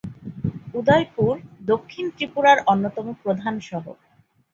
উদয়পুর দক্ষিণ ত্রিপুরার অন্যতম প্রধান শহর।